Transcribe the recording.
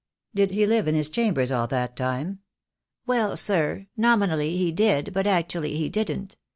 "Did he live in his chambers all that time?" "Well, sir, nominally he did, but actually he didn't.